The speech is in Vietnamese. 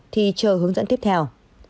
thì chờ hướng dẫn tiếp theo